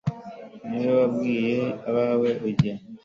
ni wowe wabwiye abawe ujya